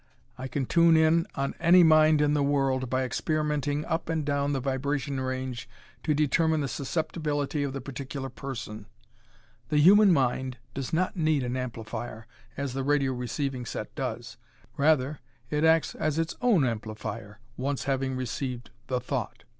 I can tune in on any mind in the world, by experimenting up and down the vibration range to determine the susceptibility of the particular person. The human mind does not need an amplifier, as the radio receiving set does. Rather, it acts as its own amplifier, once having received the thought.